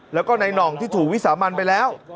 แล้วก็ในหน่องที่ถูกวิสามันไปแล้ว